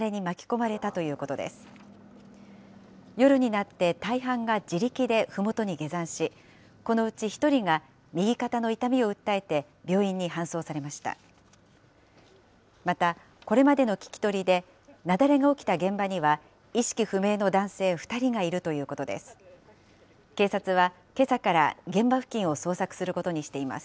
また、これまでの聞き取りで、雪崩が起きた現場には意識不明の男性２人がいるということです。